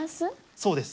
そうです。